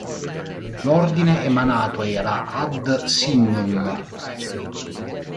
L'ordine emanato era “ad signum”.